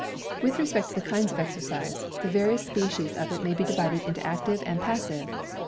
With respect to the kinds of exercise, the various species of it may be divided into active and passive.